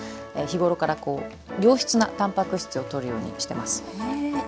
日頃から良質なたんぱく質をとるようにしてます。